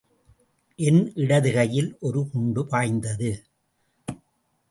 என் இடதுகையில் ஒரு குண்டு பாய்ந்தது.